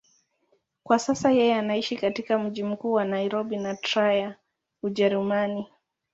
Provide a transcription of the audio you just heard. Kwa sasa yeye anaishi katika mji mkuu wa Nairobi na Trier, Ujerumani.